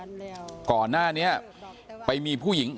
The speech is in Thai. เพราะไม่เคยถามลูกสาวนะว่าไปทำธุรกิจแบบไหนอะไรยังไง